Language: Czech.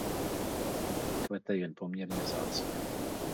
Kvete jen poměrně vzácně.